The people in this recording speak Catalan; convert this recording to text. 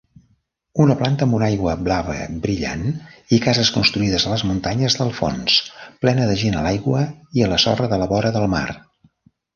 Una planta amb una aigua blava brillant i cases construïdes a les muntanyes del fons, plena de gent a l'aigua i a la sorra de la vora del mar.